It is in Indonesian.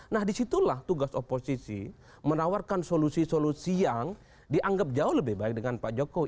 nah disitulah tugas oposisi menawarkan solusi solusi yang dianggap jauh lebih baik dengan pak jokowi